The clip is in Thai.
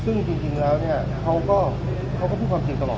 ซึ่งจริงแล้วเนี่ยเขาก็พูดความจริงตลอด